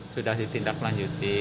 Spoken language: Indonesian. sudah ditindak lanjuti